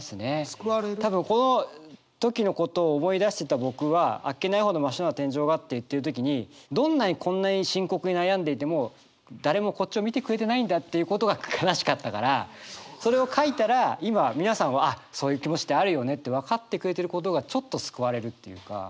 多分この時のことを思い出してた僕は「あっけないほど真っ白な天井が」って言ってる時にどんなにこんなに深刻に悩んでいても誰もこっちを見てくれてないんだっていうことが悲しかったからそれを書いたら今皆さんは「あそういう気持ちってあるよね」って分かってくれてることがちょっと救われるっていうか。